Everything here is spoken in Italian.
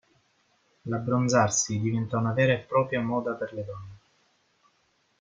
L'abbronzarsi diventa una vera e propria moda per le donne.